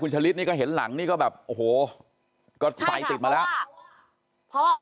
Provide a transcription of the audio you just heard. คุณชะลิดนี่ก็เห็นหลังนี่ก็แบบโอ้โหก็ไฟติดมาแล้วใช่ค่ะเพราะว่า